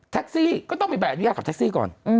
๓แท็กซี่ก็ต้องมีแบบยากกับแท็กซี่ก่อน